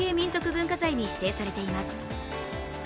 文化財に指定されています。